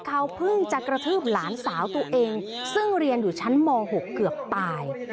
เขาเพิ่งจะกระทืบหลานสาวตัวเองซึ่งเรียนอยู่ชั้นม๖เกือบตาย